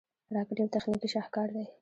راکټ یو تخنیکي شاهکار دی